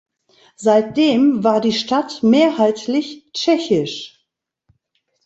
Seitdem war die Stadt mehrheitlich tschechisch.